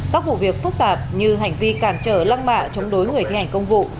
các vụ việc phức tạp như hành vi cản trở lăng mạ chống đối người thi hành công vụ